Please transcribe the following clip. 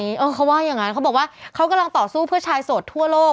เขาว่าอย่างนั้นเขาบอกว่าเขากำลังต่อสู้เพื่อชายโสดทั่วโลก